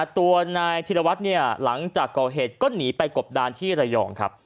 ตัวนายธิรวัตรเนี่ยหลังจากก่อเหตุก็หนีไปกบดานที่ระยองครับ